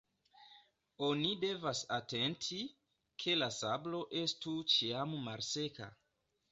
Oni devas atenti, ke la sablo estu ĉiam malseka.